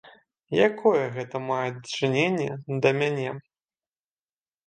Якое гэта мае дачыненне да мяне?